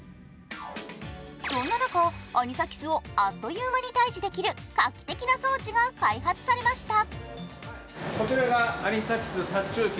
そんな中、アニサキスをあっという間に退治できる画期的な装置が開発されました。